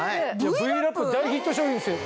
Ｖ−Ｌａｐ大ヒット商品ですよ。